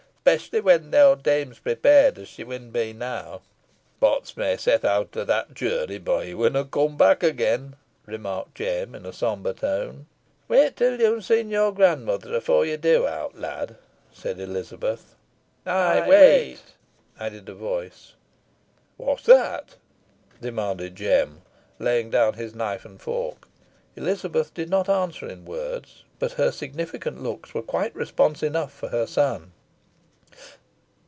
"'Specially when th' owd dame's prepared, as she win be now." "Potts may set out 'o that journey, boh he winna come back again," remarked Jem, in a sombre tone. "Wait till yo'n seen your gran mother efore ye do owt, lad," said Elizabeth. "Ay, wait," added a voice. "What's that?" demanded Jem, laving down his knife and fork. Elizabeth did not answer in words, but her significant looks were quite response enough for her son.